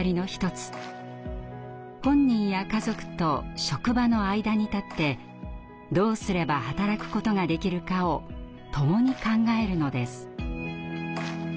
本人や家族と職場の間に立ってどうすれば働くことができるかをともに考えるのです。